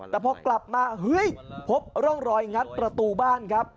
แต่พอกลับมาเฮ้ยพบร่องรอยงัดประตูบ้านครับ